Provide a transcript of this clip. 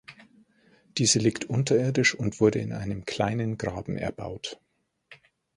Diese liegt unterirdisch und wurde in einem kleinen Graben erbaut.